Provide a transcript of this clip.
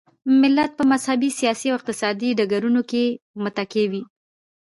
ملت په مذهبي، سیاسي او اقتصادي ډګرونو کې متکي وي.